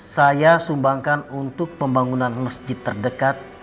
saya sumbangkan untuk pembangunan masjid terdekat